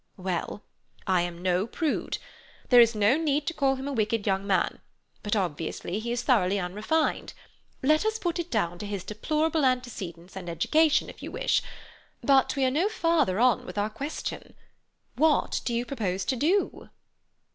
"Well, I am no prude. There is no need to call him a wicked young man, but obviously he is thoroughly unrefined. Let us put it down to his deplorable antecedents and education, if you wish. But we are no farther on with our question. What do you propose to do?"